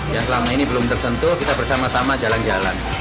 yang selama ini belum tersentuh kita bersama sama jalan jalan